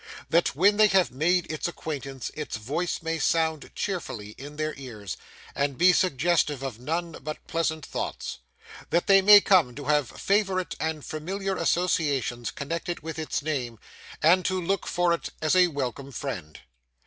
That, when they have made its acquaintance, its voice may sound cheerfully in their ears, and be suggestive of none but pleasant thoughts. That they may come to have favourite and familiar associations connected with its name, and to look for it as for a welcome friend.